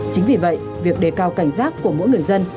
chính vì vậy việc đề cao cảnh giác của mỗi người dân